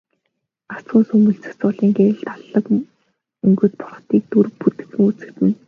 Гагцхүү сүүмэлзэх зулын гэрэлд алтлаг өнгөт бурхдын дүр бүдэгхэн үзэгдэнэ.